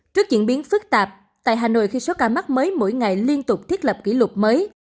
trước diễn biến phức tạp tại hà nội khi số ca mắc mới mỗi ngày liên tục thiết lập kỷ lục mới